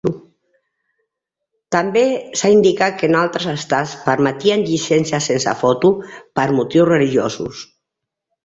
També s'indica que altres estats permetien llicències sense foto per motius religiosos.